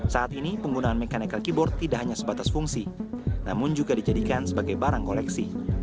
saat ini penggunaan mechanical keyboard tidak hanya sebatas fungsi namun juga dijadikan sebagai barang koleksi